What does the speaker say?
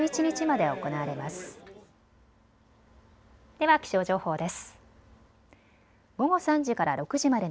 では気象情報です。